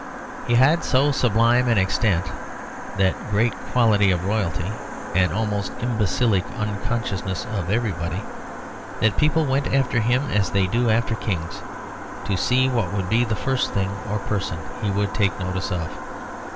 He had to so sublime an extent that great quality of royalty an almost imbecile unconsciousness of everybody, that people went after him as they do after kings to see what would be the first thing or person he would take notice of.